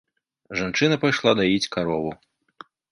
Жанчына пайшла даіць карову.